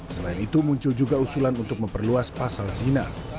selain itu muncul juga usulan untuk memperluas pasal zina